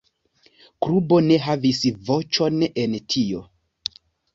Kubo ne havis voĉon en tio"”.